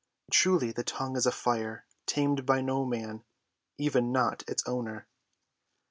Truly, the tongue is a fire, tamed by no man, not even its owner."